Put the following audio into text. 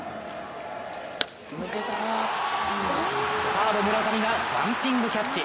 サード・村上がジャンピングキャッチ！